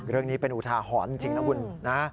เรื่องนี้เป็นอุทาหรณ์จริงนะคุณนะ